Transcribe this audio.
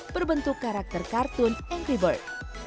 berbentuk karakter kartun entry bird